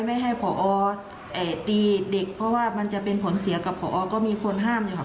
ไม่ให้ผอตีเด็กเพราะว่ามันจะเป็นผลเสียกับพอก็มีคนห้ามอยู่ค่ะ